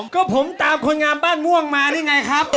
ก็ผมตามคนงามบ้านม่วงมาหรือไงครับ